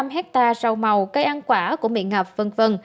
hai bốn trăm linh hectare sầu màu cây ăn quả cũng bị ngập v v